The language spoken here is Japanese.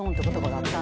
あった？